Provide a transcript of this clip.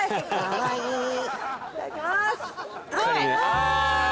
いただきます。